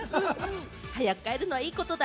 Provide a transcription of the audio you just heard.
早く帰るのはいいことだ。